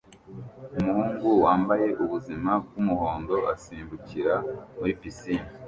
Umuhungu wambaye ubuzima bwumuhondo asimbukira muri pisine